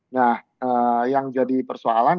nah yang jadi persoalan